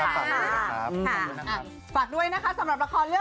แก๊งปวดเสิร์ฟค่ะ